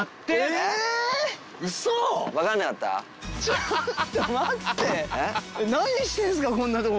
ちょっと待って！